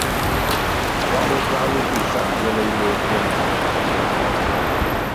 Buang botuah bo zi sa ngywele yôh piong.